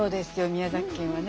宮崎県はね。